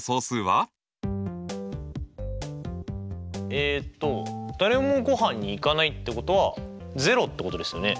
えっと誰もごはんに行かないってことは０ってことですよね。